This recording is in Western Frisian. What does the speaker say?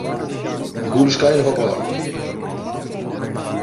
Hy koe de skyn noch ophâlde.